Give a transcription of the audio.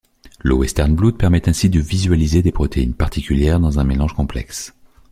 Le western blot permet ainsi de visualiser des protéines particulières dans un mélange complexe.